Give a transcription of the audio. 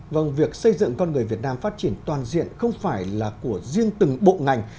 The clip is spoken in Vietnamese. vâng việc xây dựng con người việt nam phát triển toàn diện không phải là của riêng từng bộ ngành